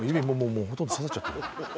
もうほとんど刺さっちゃってる